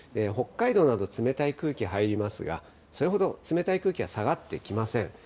北海道など冷たい空気入りますが、それほど冷たい空気は下がってきません。